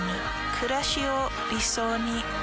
くらしを理想に。